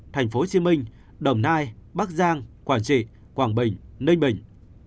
tp hcm đồng nai bắc giang quảng trị quảng bình ninh bình